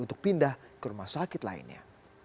untuk pindah ke rumah sakit lainnya